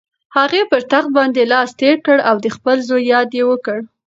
هغې پر تخت باندې لاس تېر کړ او د خپل زوی یاد یې وکړ.